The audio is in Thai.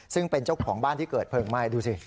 ซึ่งเป็นเจ้าของบ้านที่เกิดเพลิงไหม้ดูสิ